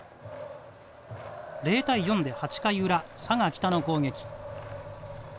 ０対４で８回裏佐賀北の攻撃。